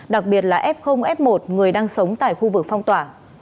đặc biệt là f f một người đang sống tại khu vực phong tỏa